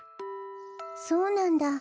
そうなんだ。